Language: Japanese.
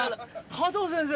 加藤先生。